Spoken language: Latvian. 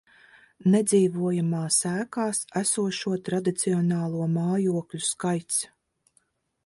Nedzīvojamās ēkās esošo tradicionālo mājokļu skaits